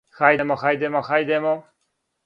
Хајдемо, хајдемо, хајдемо.